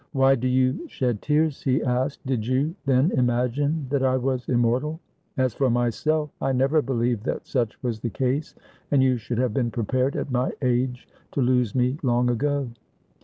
"Why do you shed tears?" he asked. "Did you, then, imagine that I was immortal? As for myself, I never believed that such was the case, and you should have been prepared, at my age, to lose me long ago